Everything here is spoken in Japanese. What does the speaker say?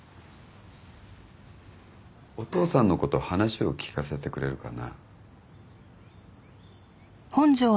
お父さんのこと話を聞かせてくれるかな。